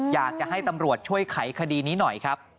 อยากจะให้ตำรวจช่วยไขคดีนี้หน่อยครับ